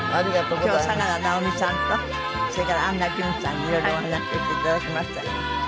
今日は佐良直美さんとそれから安奈淳さんにいろいろお話をしていただきました。